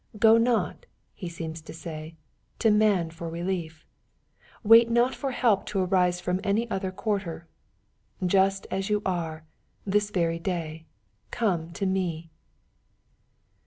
" Go not,*' He seems to say, " to man for relief. Wait not for help to arise from any other quarter. Just as you are, this very day, come to me."